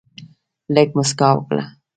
لږ مسکا وکړه.